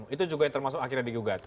itu juga yang termasuk akhirnya di gugat